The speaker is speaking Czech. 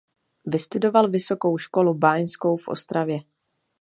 Vystudoval Vysokou školu báňskou v Ostravě.